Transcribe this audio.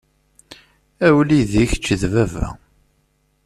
A wlidi kečč d baba.